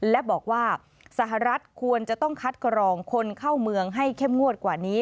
และบอกว่าสหรัฐควรจะต้องคัดกรองคนเข้าเมืองให้เข้มงวดกว่านี้